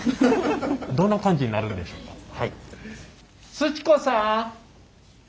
すち子さん。